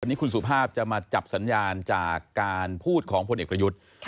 วันนี้คุณสุภาพจะมาจับสัญญาณจากการพูดของพลเอกประยุทธ์